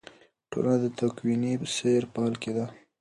ټولنه د تکویني سیر په حال کې ده.